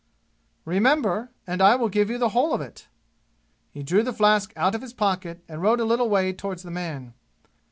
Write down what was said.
"Remember, and I will give you the whole of it!" He drew the flask out of his pocket and rode a little way toward the man.